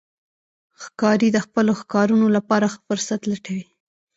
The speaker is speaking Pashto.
ښکاري د خپلو ښکارونو لپاره ښه فرصت لټوي.